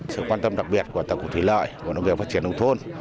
sự quan tâm đặc biệt của tổng cục thủy lợi bộ nông nghiệp phát triển nông thôn